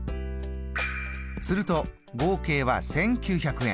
すると合計は１９００円。